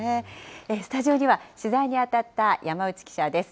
スタジオには取材に当たった山内記者です。